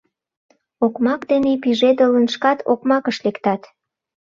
Окмак дене пижедылын, шкат окмакыш лектат.